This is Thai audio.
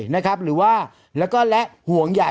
พี่ปั๊ดเดี๋ยวมาที่ร้องให้